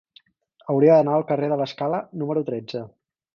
Hauria d'anar al carrer de l'Escala número tretze.